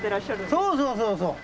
そうそうそうそう。